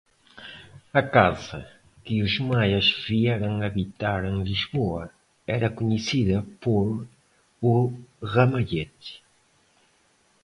A casa que os Maias vieram habitar em Lisboa era conhecida por "o Ramalhete".